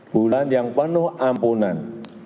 bulan yang penuh ampunan